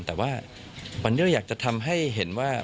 แต่ว่าวันนี้เราอยากจะทำให้เห็นว่า